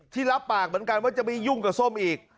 รับปากเหมือนกันว่าจะไม่ยุ่งกับส้มอีก